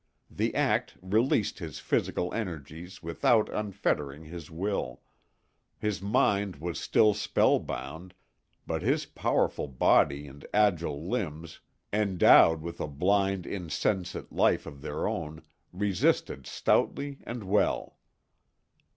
The act released his physical energies without unfettering his will; his mind was still spellbound, but his powerful body and agile limbs, endowed with a blind, insensate life of their own, resisted stoutly and well.